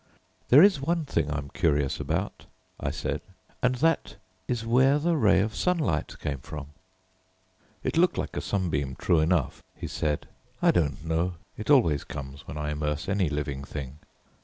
"There is one thing I'm curious about," I said, "and that is where the ray of sunlight came from." "It looked like a sunbeam true enough," he said. "I don't know, it always comes when I immerse any living thing.